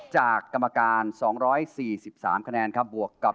แชมป์กลุ่มนี้คือ